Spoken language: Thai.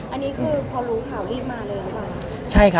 อันนี้คือพอรู้ข่าวรีบมาเลยหรือเปล่า